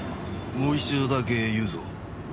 もう一度だけ言うぞ。